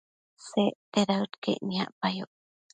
Secte daëd caic niacpayoc